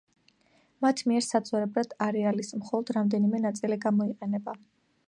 მათ მიერ საძოვრებად არეალის მხოლოდ რამდენიმე ნაწილი გამოიყენება.